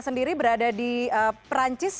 sendiri berada di perancis